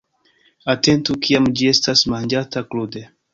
Atentu kiam ĝi estas manĝata krude.